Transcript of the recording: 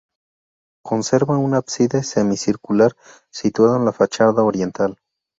Conserva un ábside semicircular, situado en la fachada oriental.